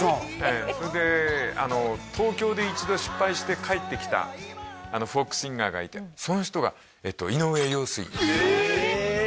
ええそれで東京で一度失敗して帰ってきたフォークシンガーがいてその人が井上陽水ええ！